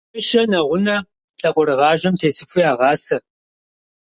Мыщэ нэгъунэ лъакъуэрыгъажэм тесыфу ягъасэ.